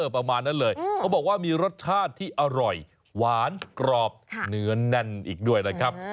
ประมาณนั้นเลยเขาบอกว่ามีรสชาติที่อร่อยหวานกรอบเนื้อแน่นอีกด้วยนะครับ